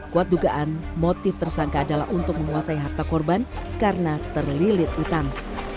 kuat dugaan motif tersangka adalah untuk menguasai harta korban karena terlilit utang